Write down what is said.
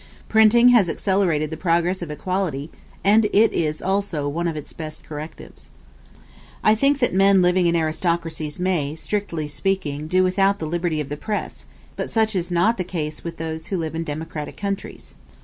Printing has accelerated the progress of equality, and it is also one of its best correctives. I think that men living in aristocracies may, strictly speaking, do without the liberty of the press: but such is not the case with those who live in democratic countries.